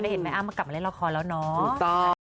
ได้เห็นไหมอ้าวมากลับมาเล่นละครแล้วเนาะ